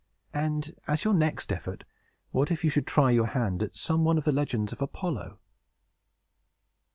And, as your next effort, what if you should try your hand on some one of the legends of Apollo?"